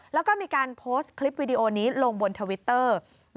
แล้วก็มีการโพสต์คลิปวิดีโอนี้ลงบนทวิตเตอร์